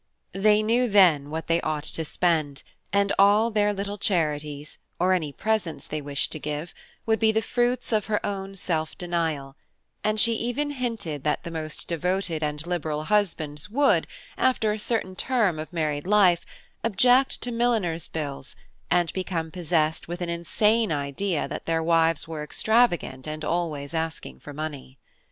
They knew then what they ought to spend, and all their little charities, or any presents they wished to give, would be the fruits of their own self denial, and she even hinted that the most devoted and liberal husbands would, after a certain term of married life, object to milliners' bills, and become possessed with an insane idea that their wives were extravagant and always asking for money.